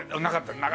なかった。